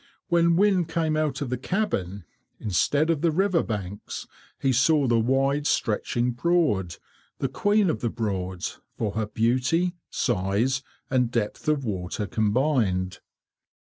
When Wynne came out of the cabin, instead of the river banks, he saw the wide stretching Broad, the Queen of the Broads, for her beauty, size, and depth of water combined.